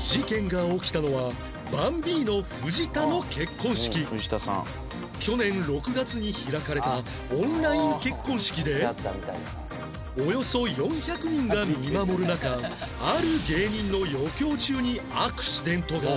事件が起きたのは去年６月に開かれたオンライン結婚式でおよそ４００人が見守る中ある芸人の余興中にアクシデントが